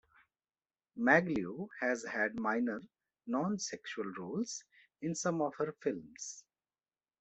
Maglio has had minor, non-sexual roles in some of her films.